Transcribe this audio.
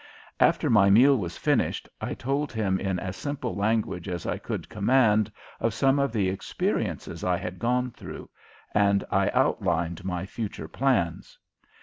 After my meal was finished I told him in as simple language as I could command of some of the experiences I had gone through, and I outlined my future plans.